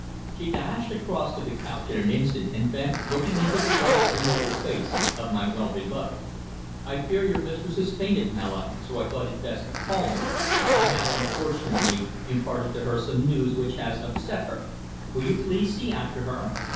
She dashed across to the couch in an instant, and bent, looking into the white, immobile face of my well beloved. "I fear your mistress has fainted, Mallock, so I thought it best to call you. I have, unfortunately, imparted to her some news which has upset her. Will you please see after her?"